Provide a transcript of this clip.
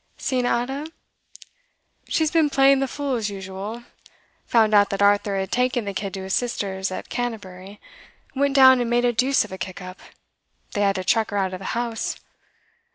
Seen Ada? She's been playing the fool as usual. Found out that Arthur had taken the kid to his sister's at Canterbury; went down and made a deuce of a kick up; they had to chuck her out of the house.